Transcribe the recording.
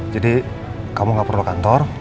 jadi kamu gak perlu kantor